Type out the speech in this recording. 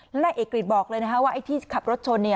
และนายเอกริจบอกเลยนะคะว่าไอ้ที่ขับรถชน